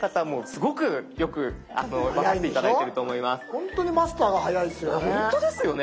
ほんとにマスターが早いっすよね。